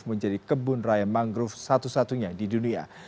menjadi kebun raya mangrove satu satunya di dunia